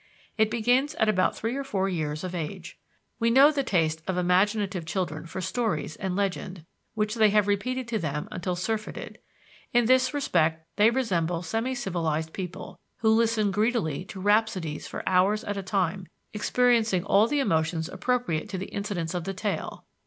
It begins at about three or four years of age. We know the taste of imaginative children for stories and legends, which they have repeated to them until surfeited: in this respect they resemble semi civilized people, who listen greedily to rhapsodies for hours at a time, experiencing all the emotions appropriate to the incidents of the tale.